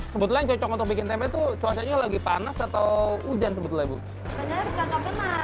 sebetulnya yang cocok untuk bikin tempe itu cuacanya lagi panas atau hujan sebetulnya bu